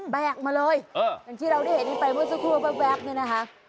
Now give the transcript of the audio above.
แกกมาเลยอย่างที่เราได้เห็นกันไปเมื่อสักครู่แว๊บเนี่ยนะคะ